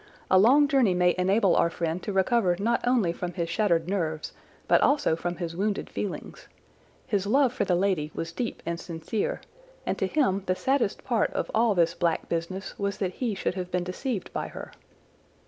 A long journey may enable our friend to recover not only from his shattered nerves but also from his wounded feelings. His love for the lady was deep and sincere, and to him the saddest part of all this black business was that he should have been deceived by her.